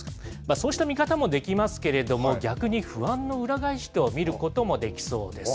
そうした見方もできますけれども、逆に不安の裏返しと見ることもできそうです。